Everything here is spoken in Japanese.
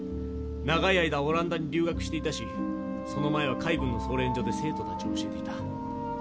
長い間オランダに留学していたしその前は海軍の操練所で生徒たちを教えていた。